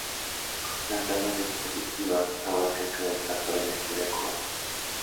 Las salas expositivas abarcan cada etapa de la historia cubana.